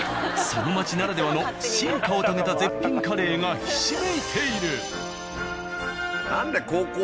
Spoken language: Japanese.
その街ならではの進化を遂げた絶品カレーがひしめいている。